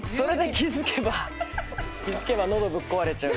気付けば喉ぶっ壊れちゃう。